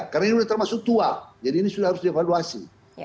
karena ini sudah termasuk tua jadi ini sudah harus diavaluasi